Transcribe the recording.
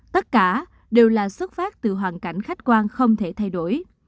tất cả đều là xuất phát từ hoàn cảnh khách quan không thể thay đổi